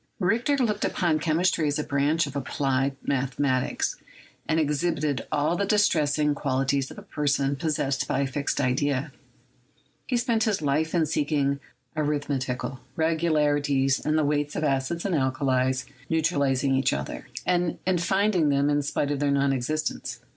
Richter looked upon chemistry as a branch of applied mathematics, and exhibited all the distressing qualities of a person possessed by a fixed idea; he spent his life in seeking arithmetical regularities in the weights of acids and alkalies neutralizing each other, and in finding them in spite of their non existence.